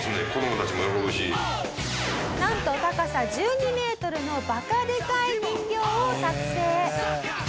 なんと高さ１２メートルのバカでかい人形を作製。